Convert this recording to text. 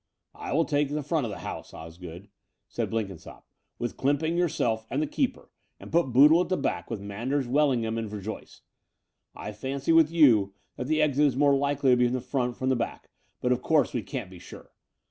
"I will take the front of the house, Osgood," said Blenkinsopp, "with Clsmiping, yourself, and the keeper, and put Boodle at the back with Manders, Wellingham, and Verjoyce. I fancy, with you, that the exit is more likely to be from the front than the back ; but, of course, we can't be sure.